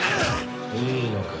いいのか？